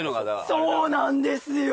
そうなんですよ。